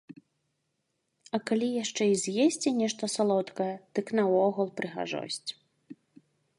А калі яшчэ і з'есці нешта салодкае, дык наогул прыгажосць.